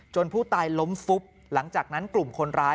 ผู้ตายล้มฟุบหลังจากนั้นกลุ่มคนร้าย